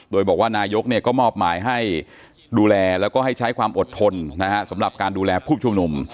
โดยบอกว่านายกก็มอบหมายให้ดูแลแล้วก็ให้ใช้ความอดทนสำหรับการดูแลผู้ชุมนุม